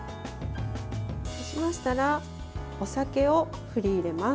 そうしましたらお酒を振り入れます。